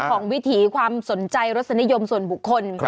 วิถีความสนใจรสนิยมส่วนบุคคล